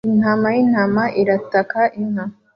Intama y'intama irataka inka